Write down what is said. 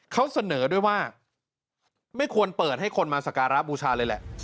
เขาเสนอด้วยว่าไม่ควรเปิดให้คนมาสการะบูชาเลยแหละ